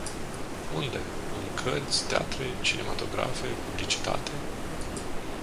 Unde - în cărți, teatre, cinematografe, publicitate?